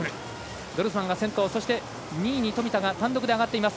ドルスマンが先頭、２位に富田が単独に上がっています。